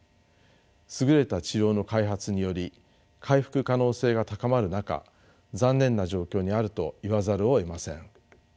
優れた治療の開発により回復可能性が高まる中残念な状況にあると言わざるをえません。